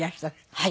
はい。